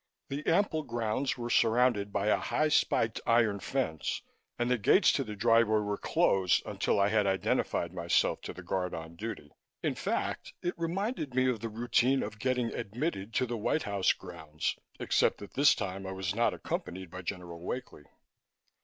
The ample grounds were surrounded by a high spiked iron fence and the gates to the driveway were closed, until I had identified myself to the guard on duty. In fact, it reminded me of the routine of getting admitted to the White House grounds, except that this time I was not accompanied by General Wakely.